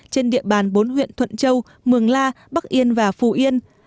trên địa bàn bốn huyện thuận châu mường la bắc yên và phù yên